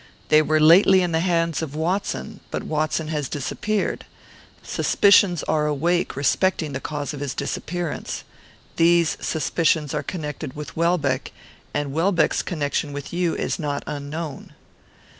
They were lately in the hands of Watson, but Watson has disappeared. Suspicions are awake respecting the cause of his disappearance. These suspicions are connected with Welbeck, and Welbeck's connection with you is not unknown."